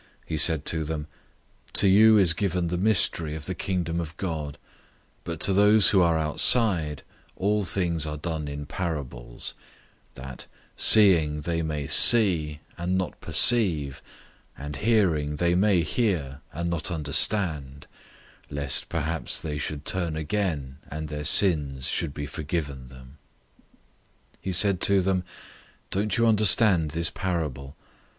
004:011 He said to them, "To you is given the mystery of the Kingdom of God, but to those who are outside, all things are done in parables, 004:012 that 'seeing they may see, and not perceive; and hearing they may hear, and not understand; lest perhaps they should turn again, and their sins should be forgiven them.'"{Isaiah 6:9 10} 004:013 He said to them, "Don't you understand this parable?